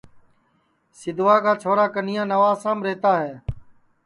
سیدھوا کا چھورا کنیا نوابشام رہتا ہے